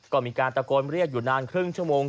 ก็มีการตะโกนเรียกอยู่นานครึ่งชั่วโมง